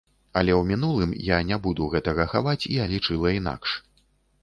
Але ў мінулым, я не буду гэтага хаваць, я лічыла інакш.